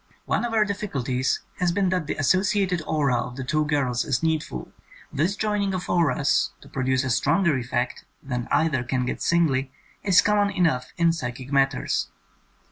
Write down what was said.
One of our difficulties has been that the associated aura of the two girls is needful. This join ing of auras to produce a stronger effect than either can get singly is common enough in psychic matters.